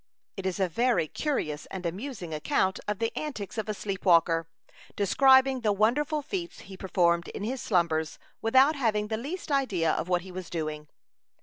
It is a very curious and amusing account of the antics of a sleep walker, describing the wonderful feats he performed in his slumbers, without having the least idea of what he was doing.